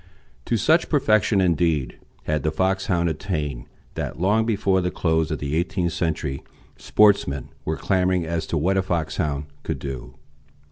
To such perfection, indeed, had the Foxhound attained, that long before the close of the eighteenth century sportsmen were clamouring as to what a Foxhound could do.